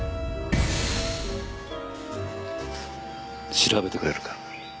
調べてくれるか？